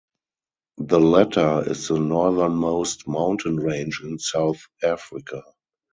The latter is the northernmost mountain range in South Africa.